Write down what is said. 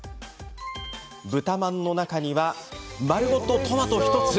豚まんの中には丸ごとトマト１つ。